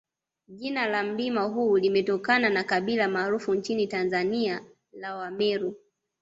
Jina la mlima huu limetokana na kabila maarufu nchini Tanzania la Wameru